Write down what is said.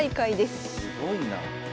すごいな。